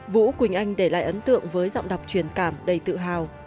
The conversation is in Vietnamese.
vũ quỳnh anh để lại ấn tượng với giọng đọc truyền cảm đầy tự hào